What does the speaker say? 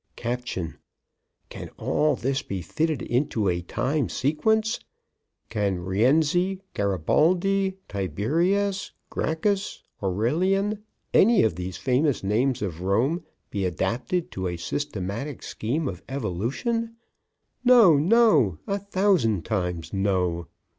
Caption: "CAN ALL THIS BE FITTED INTO A TIME SEQUENCE? CAN RIENZI, GARIBALDI. TIBERIUS GRACCHUS, AURELIAN, ANY OF THESE FAMOUS NAMES OF ROME, BE ADAPTED TO A SYSTEMATIC SCHEME OF EVOLUTION? NO, NO ... A THOUSAND TIMES, NO!"